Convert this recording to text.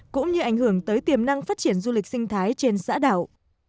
cũng như ảnh hưởng tới tiềm năng phát triển du lịch sinh thái trên xã đảo